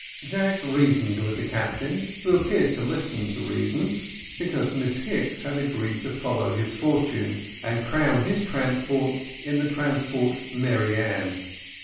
Jack reasoned with the Captain, who appeared to listen to reason, because Miss Hicks had agreed to follow his fortunes, and crown his transports in the transport Mary Ann.